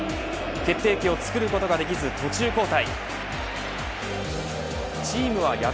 決定機をつくることができず途中交代。